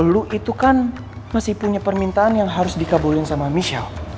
lu itu kan masih punya permintaan yang harus dikabulin sama michelle